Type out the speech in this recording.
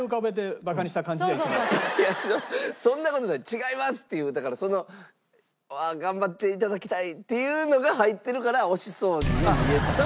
「違います！」っていうだからその頑張っていただきたいっていうのが入ってるから惜しそうに見えた。